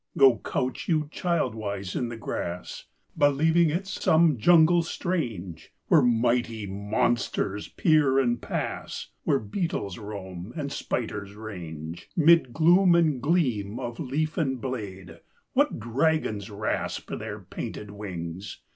Go couch you childwise in the grass, Believing it's some jungle strange, Where mighty monsters peer and pass, Where beetles roam and spiders range. 'Mid gloom and gleam of leaf and blade, What dragons rasp their painted wings!